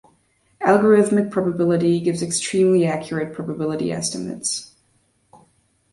Algorithmic Probability gives extremely accurate probability estimates.